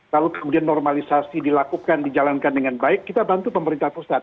lalu kemudian normalisasi dilakukan dijalankan dengan baik kita bantu pemerintah pusat